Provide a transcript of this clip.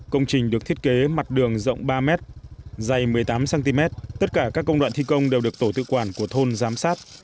công trình được thiết kế mặt đường rộng ba m dày một mươi tám cm tất cả các công đoạn thi công đều được tổ tự quản của thôn giám sát